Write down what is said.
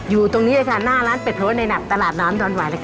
อยู่ตรงนี้เลยค่ะหน้าร้านเปรี้ยวในหลักตลาดนหวัย